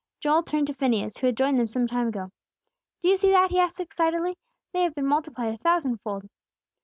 Joel turned to Phineas, who had joined them some time ago. "Do you see that?" he asked excitedly. "They have been multiplied a thousand fold!"